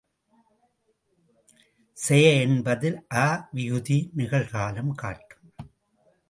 செய என்பதில் அ விகுதி நிகழ் காலம் காட்டும்.